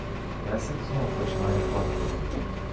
Лесик знов починає плакати.